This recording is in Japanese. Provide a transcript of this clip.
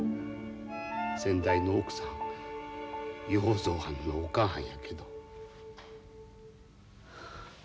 先代の奥さん要造はんのお母はんやけど。